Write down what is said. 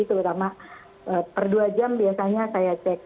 terutama per dua jam biasanya saya cek